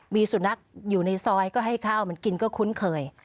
มีสุนัขอยู่ในซอยก็ให้ข้าวมันกินก็คุ้นเคย